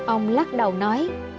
ông lắc đầu nói